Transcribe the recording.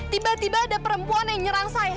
tiba tiba ada perempuan yang nyerang saya